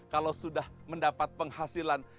kalau sudah mendapat penghasilan